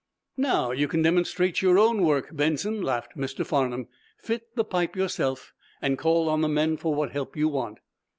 "Now, you can demonstrate your own work, Benson," laughed Mr. Farnum. "Fit the pipe yourself, and call on the men for what help you want."